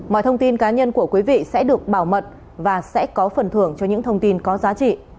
mọi thông tin cá nhân của quý vị sẽ được bảo mật và sẽ có phần thưởng cho những thông tin có giá trị